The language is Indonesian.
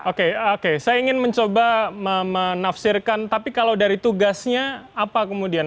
oke oke saya ingin mencoba menafsirkan tapi kalau dari tugasnya apa kemudian